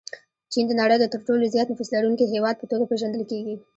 چین د نړۍ د تر ټولو زیات نفوس لرونکي هېواد په توګه پېژندل کېږي.